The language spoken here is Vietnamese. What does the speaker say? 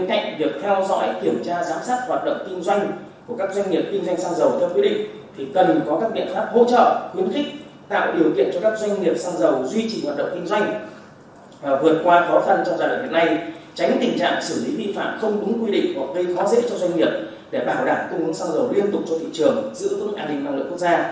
hoặc gây khó dễ cho doanh nghiệp để bảo đảm cung cung xăng dầu liên tục cho thị trường giữa các nhà đình và lợi quốc gia